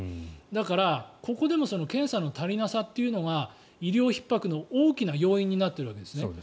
だから、ここでも検査の足りなさというのが医療ひっ迫の大きな要因になっているわけですよね。